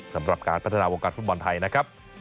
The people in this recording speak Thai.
สำหรับการพัฒนาวงการฟุตบอลไทยนะครับ